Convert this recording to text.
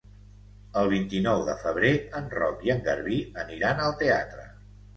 El vint-i-nou de febrer en Roc i en Garbí aniran al teatre.